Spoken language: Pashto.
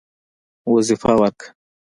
وظیفه ورکړه.